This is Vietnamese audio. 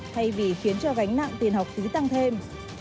thay vì khiến cho gánh nặng tiền học phí tăng thêm